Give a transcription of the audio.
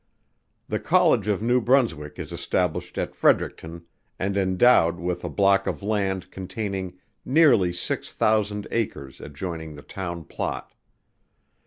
The College of New Brunswick is established at Fredericton and endowed with a block of land containing nearly six thousand acres adjoining the town plot.